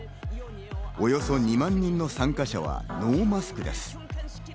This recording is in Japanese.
およそ２万人の参加者はノーマスクです。